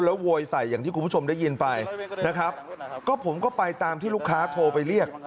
โวยใส่อย่างที่คุณผู้ชมได้ยินไปนะครับก็ผมก็ไปตามที่ลูกค้าโทรไปเรียก